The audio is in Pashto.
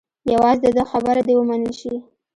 یوازې د ده خبره دې ومنل شي.